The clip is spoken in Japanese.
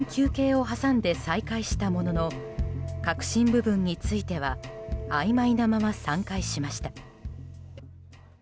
会議はいったん休憩を挟んで再開したものの核心部分についてはあいまいなまま散会しました。